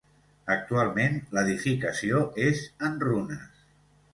Actualment l'edificació és en runes.